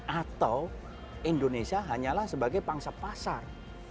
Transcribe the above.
atau indonesia hanyalah sebagai bangsa pasar